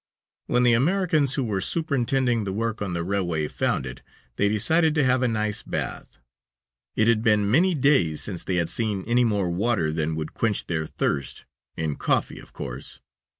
When the Americans who were superintending the work on the railway found it, they decided to have a nice bath. It had been many days since they had seen any more water than would quench their thirst in coffee, of course.